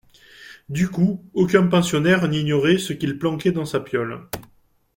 Du coup, aucun pensionnaire n’ignorait ce qu’il planquait dans sa piaule